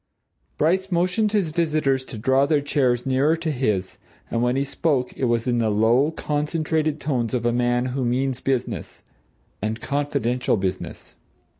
Bryce motioned his visitors to draw their chairs nearer to his, and when he spoke it was in the low, concentrated tones of a man who means business and confidential business.